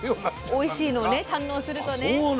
おいしいのをね堪能するとね。